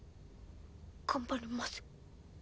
頑張ります。